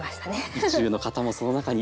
意中の方もその中に。